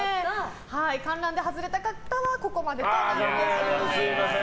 観覧で外れた方はここまでとなってしまいます。